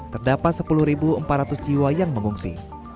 terdapat sepuluh empat ratus jiwa yang mengungsi